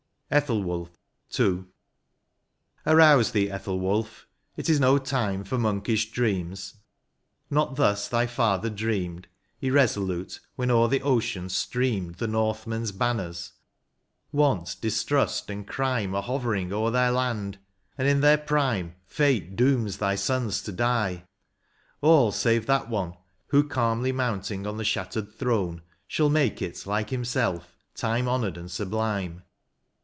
91 XLV. ETHELWULPH. — II. Arouse thee, Ethelwulph, it is no time For monkish dreams; not thus thy father dreamed Irresolute, when o'er the ocean streamed The northmen's banners : want, distrust^ and crime, Are hovering o'er thy land, and in their prime Fate dooms thy sons to die — all, save that one. Who, calmly mounting on the shattered throne. Shall make it like himself, time honoured and sublime.